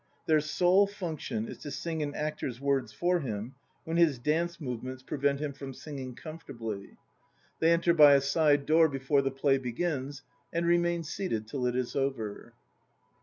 Their sole function is to sing an actor's words for him when his dance movementa pre INTRODUCTION 19 vent him from singing comfortably. They enter by a side door before the play begins and remain seated till it is over.